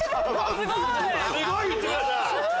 すごい！内村さん。